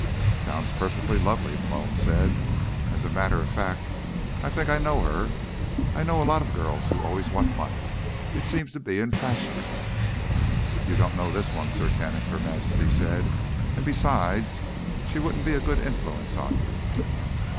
"Sounds perfectly lovely," Malone said. "As a matter of fact, I think I know her. I know a lot of girls who always want money. It seems to be in fashion." "You don't know this one, Sir Kenneth," Her Majesty said, "and besides, she wouldn't be a good influence on you."